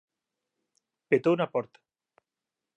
Petou na porta.